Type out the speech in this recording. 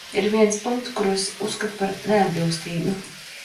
Ir viens punkts, kuru es uzskatu par neatbilstīgu.